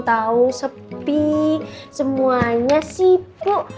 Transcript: tau sepi semuanya sibuk